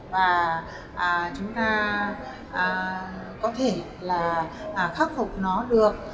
và chúng ta có thể là khắc phục nó được